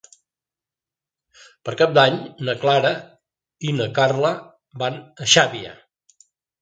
Per Cap d'Any na Clara i na Carla van a Xàbia.